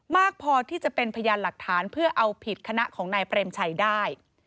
มากพอที่จะเป็นพยานหลักฐานเพื่อเอาผิดคณะของนายเปรมชัยได้